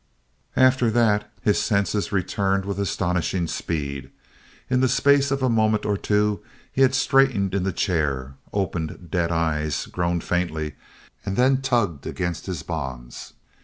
After that his senses returned with astonishing speed. In the space of a moment or two he had straightened in the chair, opened dead eyes, groaned faintly, and then tugged against his bonds.